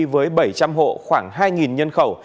với bảy trăm linh hộ khoảng hai nhân khẩu